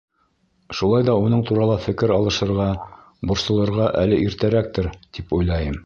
Шулай ҙа уның турала фекер алышырға, борсолорға әле иртәрәктер, тип уйлайым.